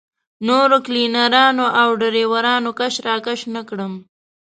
نورو کلینرانو او ډریورانو کش راکش نه کړم.